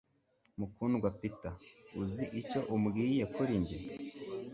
Mukundwa Peter, uzi icyo umbwiye kuri njye